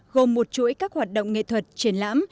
gồm một chuỗi các hoạt động nghệ thuật triển lãm